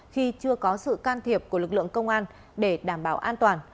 khi chưa có sự can thiệp của lực lượng công an để đảm bảo an toàn